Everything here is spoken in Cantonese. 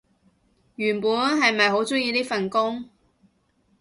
原本係咪好鍾意呢份工